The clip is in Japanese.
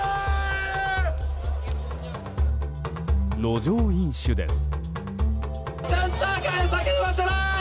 路上飲酒です。